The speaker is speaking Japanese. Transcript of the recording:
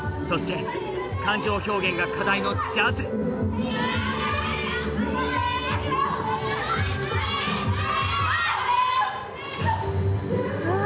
そして感情表現が課題のジャズ・頑張って！